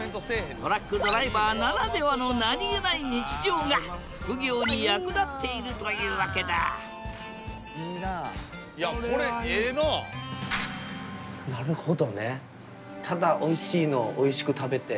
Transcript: トラックドライバーならではの何気ない日常が副業に役立っているというわけだなるほどね。